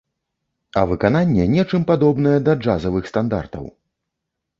А выкананне нечым падобнае да джазавых стандартаў!